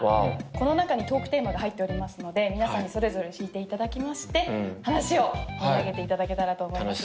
この中にトークテーマが入っておりますので皆さんにそれぞれ引いていただきまして話を盛り上げていただけたらと思います